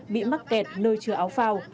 bị mắc kẹt nơi chừa áo phao